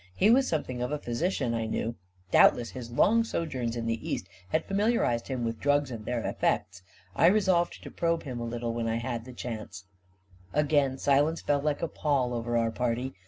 He was something of a physi cian, I knew; doubtless his long sojourns in the East had familiarized him with drugs and their effects. I resolved to probe him a little, when I had the chance ,224 A KING IN BABYLON Again' silence fell like a pall over our party.